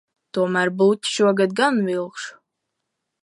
Tomēr bluķi šogad gan vilkšu.